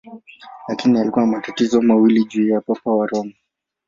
Lakini alikuwa na matatizo mawili juu ya Papa wa Roma.